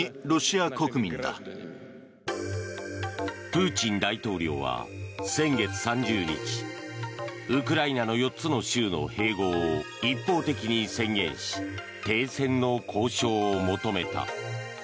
プーチン大統領は先月３０日ウクライナの４つの州の併合を一方的に宣言し停戦の交渉を求めた。